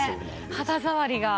肌触りが。